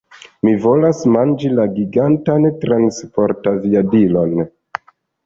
Mi volas manĝi la gigantan transportaviadilon!